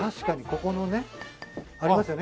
ここのね。ありますよね